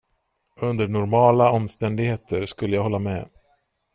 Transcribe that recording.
Under normala omständigheter skulle jag hålla med.